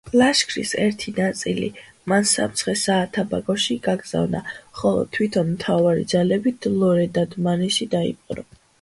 ლაშქრის ერთი ნაწილი მან სამცხე-საათაბაგოში გაგზავნა, ხოლო თვითონ მთავარი ძალებით ლორე და დმანისი დაიპყრო.